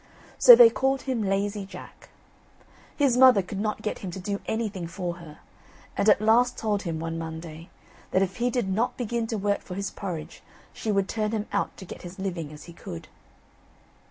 So they called him Lazy Jack. His mother could not get him to do anything for her, and at last told him, one Monday, that if he did not begin to work for his porridge she would turn him out to get his living as he could.